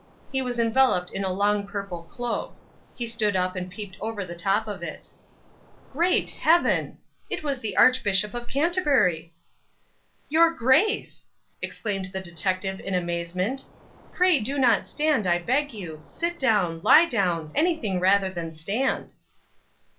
He was enveloped in a long purple cloak. He stood up and peeped over the top of it. Great Heaven! It was the Archbishop of Canterbury! "Your Grace!" exclaimed the detective in amazement—"pray do not stand, I beg you. Sit down, lie down, anything rather than stand."